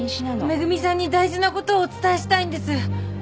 恵さんに大事な事をお伝えしたいんです。